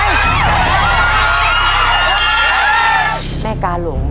อีก๓อีก๒กรัม